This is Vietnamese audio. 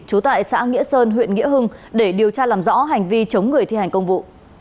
trú tại xã nghĩa sơn huyện nghĩa hưng để điều tra làm rõ hành vi chống người thi hành công vụ